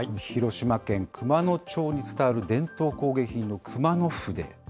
広島県熊野町に伝わる伝統工芸品の熊野筆。